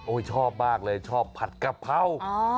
ชอบมากเลยชอบผัดกะเพรา